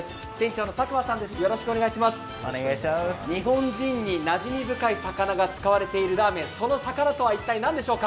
日本人になじみ深い魚が使われているラーメン、その魚とは一体何でしょうか。